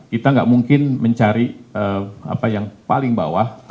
kita tidak mungkin mencari yang paling bawah